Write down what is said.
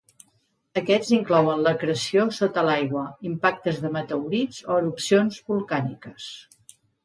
Aquests inclouen l'acreció sota l'aigua, impactes de meteorits o erupcions volcàniques.